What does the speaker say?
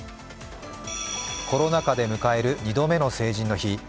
コロナ禍で迎える２度目の成人の日。